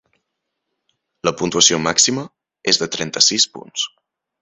La puntuació màxima és de trenta-sis punts.